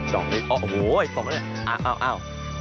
ดอกดีโอ้โฮดอกดีอ้าว